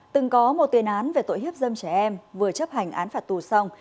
từng có một tiền án về tội hiếp dâm trẻ em vừa chấp hành án phạt tù xong